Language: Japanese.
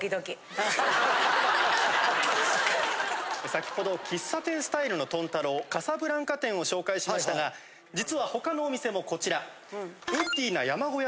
先ほど喫茶店スタイルの豚太郎カサブランカ店を紹介しましたが実は他のお店もこちら。